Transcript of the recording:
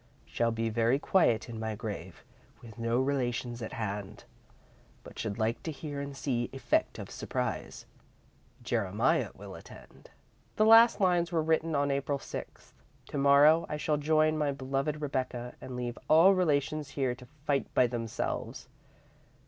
Shall be very quiet in my grave with no Relations at hand, but should like to hear and see effect of Surprise. Jeremiah will attend." The last lines were written on April sixth. "To morrow I shall join my loved Rebecca and leave all Relations here to fight by themselves.